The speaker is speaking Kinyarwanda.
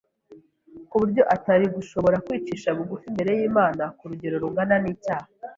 ku buryo atari gushobora kwicisha bugufi imbere y’Imana ku rugero rungana n’icyaha